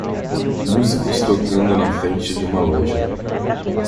Músicos tocando na frente de uma loja